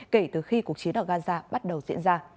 kể từ khi cuộc chiến ở gaza bắt đầu diễn ra